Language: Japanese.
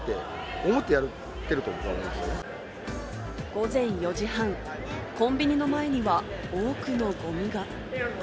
午前４時半、コンビニの前には多くのゴミが。